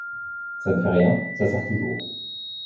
Ça ne fait rien, ça sert toujours.